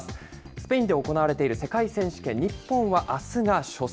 スペインで行われている世界選手権、日本はあすが初戦。